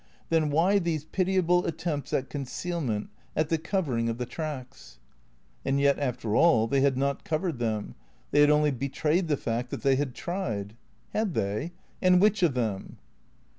Then why these pitiable at tempts at concealment, at the covering of the tracks? And yet, after all, they had not covered them. They had only betrayed the fact that they had tried. Had they? And which of them